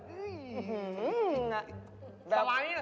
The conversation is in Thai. อื้อหือหือ